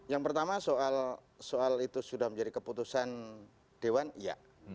yang pertama soal itu sudah menjadi keputusan dewan iya